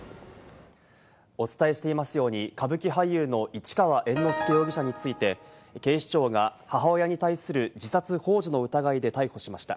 お伝えしていますように、歌舞伎俳優の市川猿之助容疑者について警視庁が母親に対する自殺ほう助の疑いで逮捕しました。